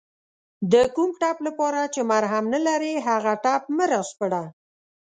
د کوم ټپ لپاره چې مرهم نلرې هغه ټپ مه راسپړه